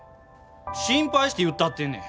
心配して言ったってんねん！